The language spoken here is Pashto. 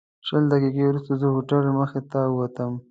شل دقیقې وروسته زه د هوټل مخې ته ووتم.